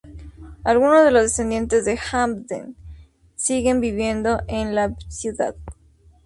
Algunos de los descendientes de Hampden siguen viviendo en la ciudad.